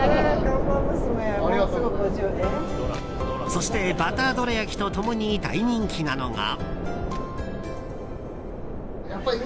そして、バターどら焼きと共に大人気なのが。